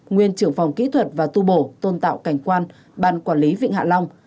nguyên trưởng phòng kỹ thuật và tu bổ tôn tạo cảnh quan ban quản lý vịnh hạ long